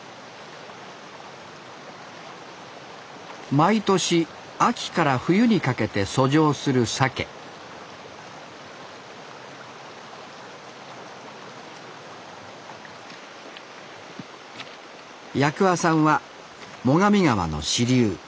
毎年秋から冬にかけて遡上する鮭八鍬さんは最上川の支流